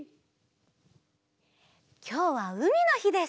きょうはうみのひです。